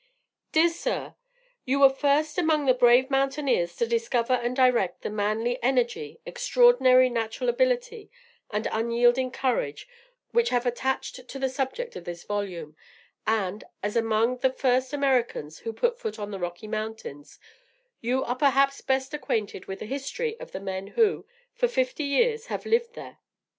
DEAR SIR, You were first among the brave mountaineers to discover and direct the manly energy, extraordinary natural ability, and unyielding courage which have attached to the subject of this volume; and, as among the first Americans who put foot on the Rocky Mountains, you are perhaps best acquainted with the history of the men, who, for fifty years, have lived there.